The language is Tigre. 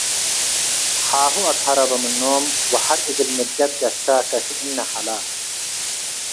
ሓሁ አትሀረበ ምኖም ወሐር እግል ምድገ ትገሰ ከክእነ ሐለ።-